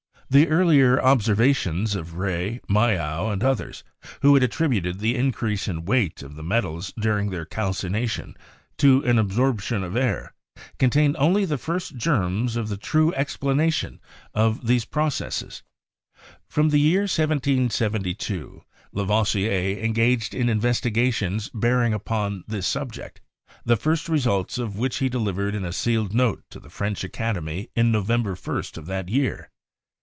The earlier observations of Rey, Mayow, and others, who had attributed the increase in weight of the metals during their calcination to an absorption of air, contained only the first germs of the true explanation of these proc 152 CHEMISTRY esses. From the year 1772 Lavoisier engaged in investi gations bearing upon this subject, the first results of which he delivered in a sealed note to the French Academy on November 1st of that year.